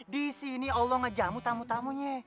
disini allah ngejamu tamu tamunya